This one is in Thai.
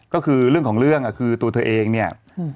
ก็คือเรื่องของเรื่องคือตัวเธอเองเนี่ย